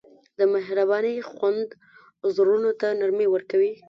د مهربانۍ خوند زړونو ته نرمي ورکوي.